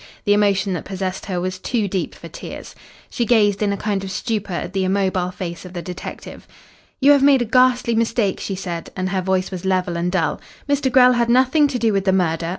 The emotion that possessed her was too deep for tears. She gazed in a kind of stupor at the immobile face of the detective. "You have made a ghastly mistake," she said, and her voice was level and dull. "Mr. Grell had nothing to do with the murder.